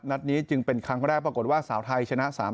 นัดนี้จึงเป็นครั้งแรกปรากฏว่าสาวไทยชนะ๓๐